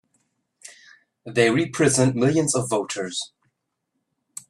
They represent millions of voters!